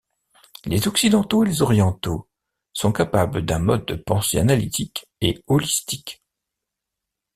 Les occidentaux et les orientaux sont capables d'un mode de pensée analytique et holistique.